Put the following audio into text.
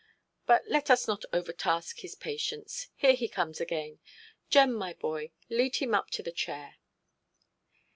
But let us not overtask his patience; here he comes again. Jem, my boy, lead him up to the chair".